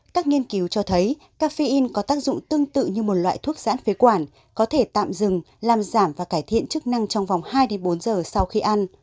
các nghiên cứu cho thấy cafein có tác dụng tương tự như một loại thuốc giãn phế quản có thể tạm dừng làm giảm và cải thiện chức năng trong vòng hai bốn giờ sau khi ăn